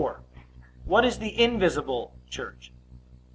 What is the invisible church?